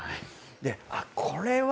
であっこれは。